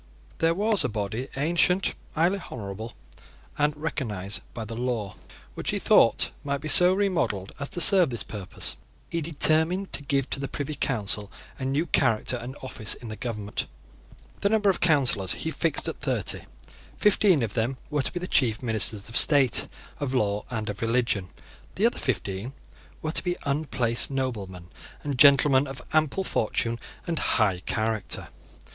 There was a body ancient, highly honourable, and recognised by the law, which, he thought, might be so remodelled as to serve this purpose. He determined to give to the Privy Council a new character and office in the government. The number of Councillors he fixed at thirty. Fifteen of them were to be the chief ministers of state, of law, and of religion. The other fifteen were to be unplaced noblemen and gentlemen of ample fortune and high character.